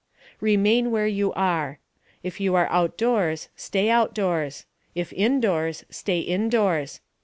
REMAIN WHERE YOU ARE. If you are outdoors, stay outdoors; if indoors, stay indoors.